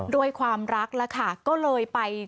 ด้วยความรักแล้วค่ะก็เลยไป